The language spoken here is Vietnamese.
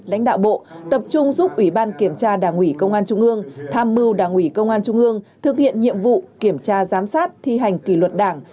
lãnh đạo bộ tập trung giúp ủy ban kiểm tra đảng ủy công an trung ương tham mưu đảng ủy công an trung ương thực hiện nhiệm vụ kiểm tra giám sát thi hành kỷ luật đảng